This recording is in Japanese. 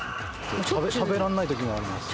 食べられないときもあります。